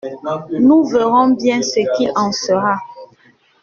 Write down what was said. Nous verrons bien ce qu’il en sera.